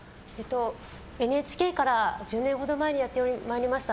ＮＨＫから１０年ほど前にやってまいりました